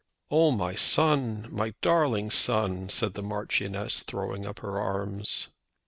"Oh, my son; my darling son," said the Marchioness, throwing up her arms.